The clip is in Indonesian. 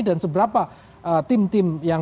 dan seberapa tim tim yang